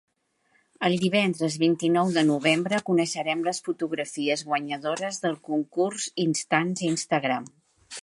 El divendres vint-i-nou de novembre coneixerem les fotografies guanyadores del concurs Instants Instagram.